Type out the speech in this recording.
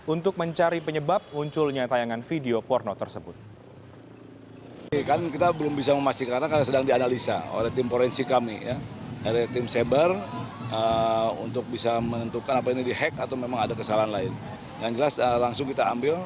untuk mencari penyebab munculnya tayangan video porno tersebut